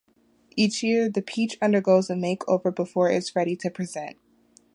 Each year, the peach undergoes a makeover before it is ready to present.